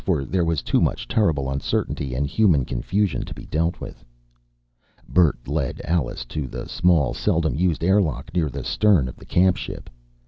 For there was too much terrible uncertainty and human confusion to be dealt with. Bert led Alice to the small, seldom used airlock near the stern of the camp ship.